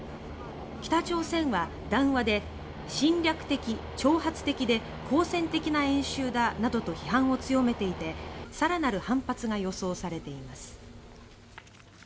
北朝鮮は談話で侵略的、挑発的で好戦的な演習だなどと批判を強めていてさらなる反発が予想されています。